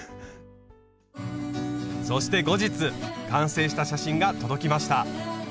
そして後日完成した写真が届きました。